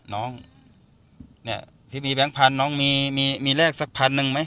น้องเนี่ยพี่มีแบงค์พันธุ์น้องมีเลขสักพันหนึ่งไหม